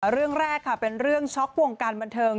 เรื่องแรกค่ะเป็นเรื่องช็อกวงการบันเทิง